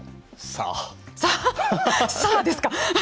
さあ、ですか？